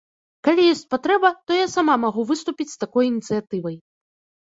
Калі ёсць патрэба, то я сама магу выступіць з такой ініцыятывай.